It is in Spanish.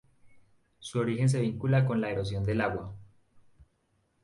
Su origen se vincula con la erosión del agua.